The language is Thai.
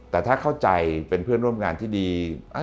แต่ถ้าเข้าใจเป็นเพื่อนร่วมงานที่ดี